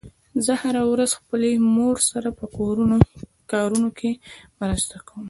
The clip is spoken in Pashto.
زه هره ورځ خپلې مور سره په کورنیو کارونو کې مرسته کوم